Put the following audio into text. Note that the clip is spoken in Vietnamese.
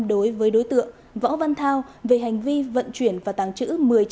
đối với đối tượng võ văn thao về hành vi vận chuyển và tàng trữ